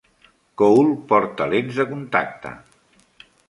Cole porta lents de contacte.